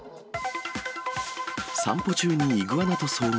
散歩中にイグアナと遭遇。